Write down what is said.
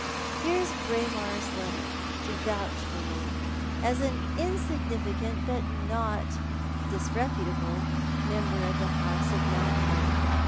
Here's Braemar's letter, to vouch for mo as an insignificant but not disreputable member of the house of Moi:ntfortl.